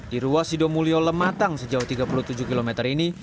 di ruas sidomulyo lematang sejauh tiga puluh tujuh km ini